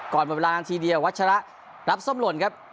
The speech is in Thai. หมดเวลานาทีเดียววัชระรับส้มหล่นครับ